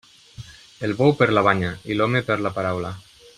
El bou per la banya, i l'home per la paraula.